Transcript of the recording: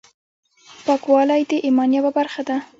پاکوالی د ایمان یوه برخه ده.